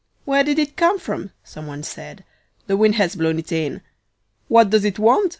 "Where did it come from?" someone said. " The wind has blown it in." "What does it want?"